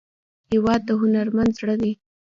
هېواد د هنرمند زړه دی.